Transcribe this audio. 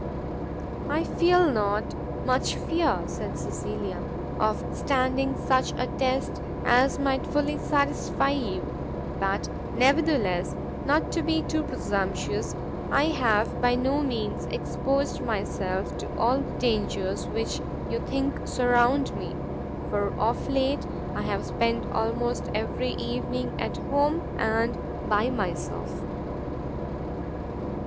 "I feel not much fear," said Cecilia, "of standing such a test as might fully satisfy you; but nevertheless, not to be too presumptuous, I have by no means exposed myself to all the dangers which you think surround me, for of late I have spent almost every evening at home and by myself."